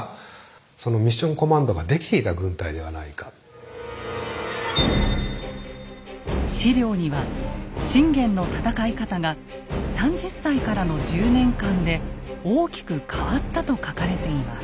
恐らく史料には信玄の戦い方が３０歳からの１０年間で大きく変わったと書かれています。